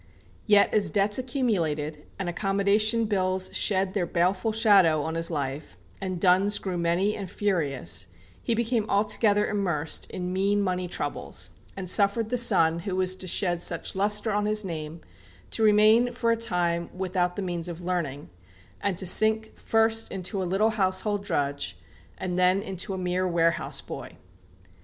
Yet as debts accumulated, and accommodation bills shed their baleful shadow on his life, and duns grew many and furious, he became altogether immersed in mean money troubles, and suffered the son who was to shed such lustre on his name to remain for a time without the means of learning, and to sink first into a little household drudge, and then into a mere warehouse boy.